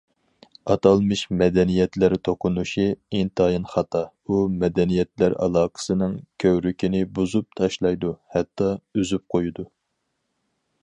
ئاتالمىش« مەدەنىيەتلەر توقۇنۇشى» ئىنتايىن خاتا، ئۇ مەدەنىيەتلەر ئالاقىسىنىڭ كۆۋرۈكىنى بۇزۇپ تاشلايدۇ ھەتتا ئۈزۈپ قويىدۇ.